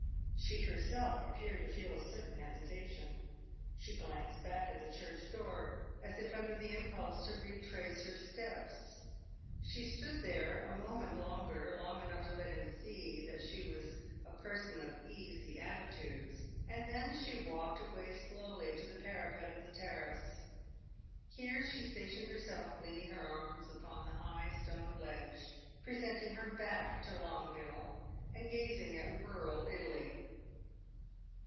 She herself appeared to feel a certain hesitation; she glanced back at the church door, as if under the impulse to retrace her steps. She stood there a moment longer long enough to let him see that she was a person of easy attitudes and then she walked away slowly to the parapet of the terrace. Here she stationed herself, leaning her arms upon the high stone ledge, presenting her back to Longueville, and gazing at rural Italy.